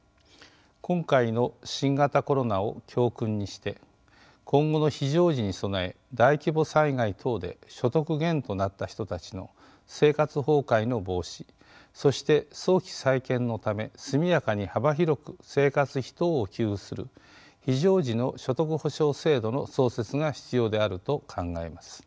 今回の新型コロナを教訓にして今後の非常時に備え大規模災害等で所得減となった人たちの生活崩壊の防止そして早期再建のため速やかに幅広く生活費等を給付する非常時の所得保障制度の創設が必要であると考えます。